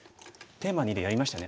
テーマ２でやりましたよね。